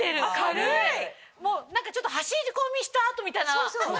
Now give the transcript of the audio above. もう何かちょっと走り込みした後みたいな。